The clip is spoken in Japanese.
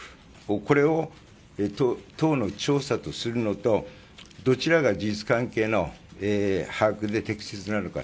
これを党の調査とするのとどちらが事実関係の把握で適切なのか。